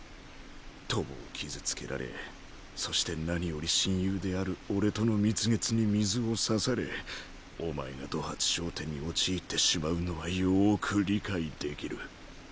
伏黒を傷つけられそして何より親友である俺との蜜月に水をさされお前が怒髪衝天に陥ってしまうのはよく理解できる。